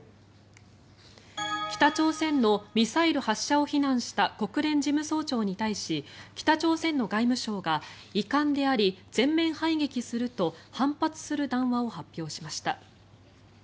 北朝鮮のミサイル発射を非難した国連事務総長に対し北朝鮮の外務省が遺憾であり、全面排撃すると反発する談話を発表しました。